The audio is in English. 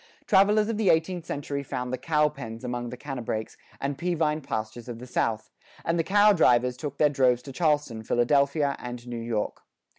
Travelers of the eighteenth century found the "cowpens" among the canebrakes and peavine pastures of the South, and the "cow drivers" took their droves to Charleston, Philadelphia, and New York.